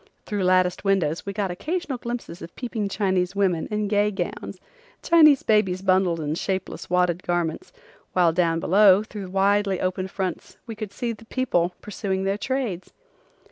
Through latticed windows we got occasional glimpses of peeping Chinese women in gay gowns, Chinese babies bundled in shapeless, wadded garments, while down below through widely opened fronts we could see people pursuing their trades.